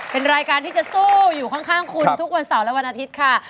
เป็นรายการที่จะสู้อยู่ข้างคุณทุกวันเสาร์และวันอาทิตย์ค่ะ